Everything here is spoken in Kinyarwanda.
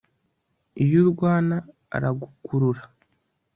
iyo urwana, aragukurura